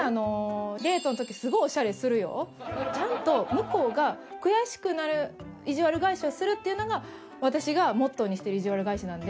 ちゃんと向こうが悔しくなるいじわる返しをするっていうのが私がモットーにしてるいじわる返しなので。